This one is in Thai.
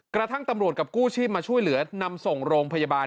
กระทั่งตำรวจกับกู้ชีพมาช่วยเหลือนำส่งโรงพยาบาล